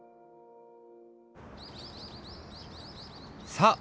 さあ！